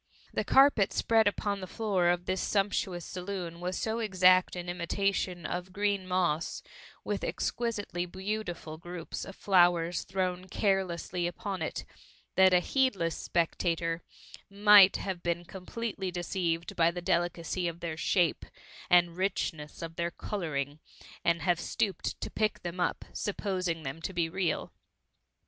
The carpet spread upon the floor of this sumptuous saloon was so exact an imitation of green moss, with exquisitely beautiful groups of flowers thrown carelessly upon it, that a heedless spectator might have been completely deceived by the delicacy of their shape and richness of their colouring, and have stooped to pick them up, supposing them to be real.